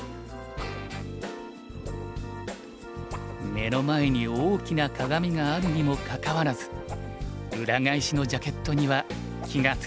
目の前に大きな鏡があるにもかかわらず裏返しのジャケットには気が付きませんでした。